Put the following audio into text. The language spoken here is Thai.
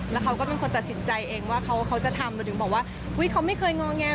แล้วเขาก็เป็นคนตัดสินใจเองว่าเขาจะทำเราถึงบอกว่าอุ๊ยเขาไม่เคยงอแง